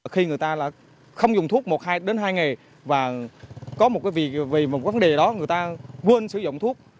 khi người ta không dùng thuốc một hai ngày và có một vấn đề đó người ta quên sử dụng thuốc